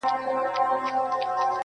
هره شپه چي تېرېده ته مي لیدلې!